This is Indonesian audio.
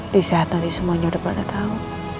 di saat nanti semuanya udah pada tau